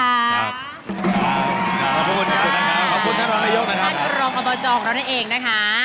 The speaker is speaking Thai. ท่านกรมอบาจองเราเนี่ยเองนะคะ